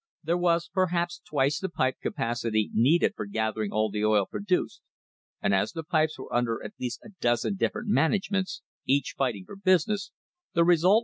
There was perhaps twice the pipe capacity needed for gathering all! the oil produced, and as the pipes were under at least a dozeni different managements, each fighting for business, the result!